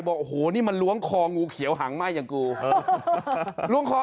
บอกโอ้โหนี่มันล้วงคองูเขียวหางไหม้อย่างกูลคอ